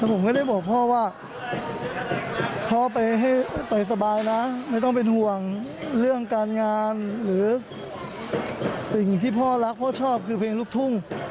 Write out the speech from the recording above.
ผมก็ได้บอกพ่อว่าพ่อไปให้ไปสบายนะไม่ต้องเป็นห่วงเรื่องการงานหรือสิ่งที่พ่อรักพ่อชอบคือเพลงลูกทุ่ง